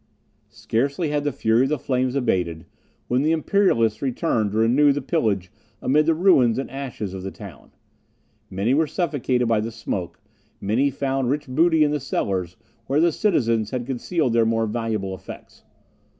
Scarcely had the fury of the flames abated, when the Imperialists returned to renew the pillage amid the ruins and ashes of the town. Many were suffocated by the smoke; many found rich booty in the cellars, where the citizens had concealed their more valuable effects.